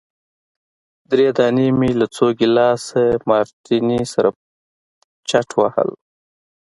درې دانې مي له څو ګیلاسه مارټیني سره چټ وهل.